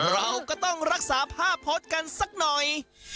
เราก็ต้องรักษาผ้าพจน์กันสักหน่อย